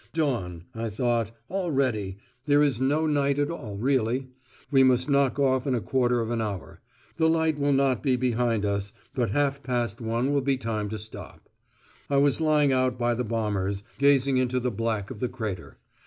"Dawn," I thought, "already. There is no night at all, really. We must knock off in a quarter of an hour. The light will not be behind us, but half past one will be time to stop." I was lying out by the bombers, gazing into the black of the crater.